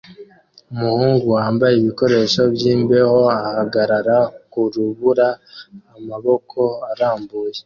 Umuhungu wambaye ibikoresho byimbeho ahagarara kurubura amaboko arambuye